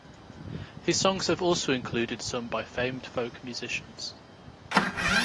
His songs have also included some by famed folk musicians.